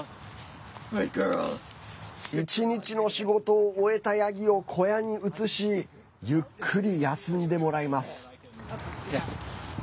１日の仕事を終えたヤギを小屋に移しゆっくり休んでもらいます。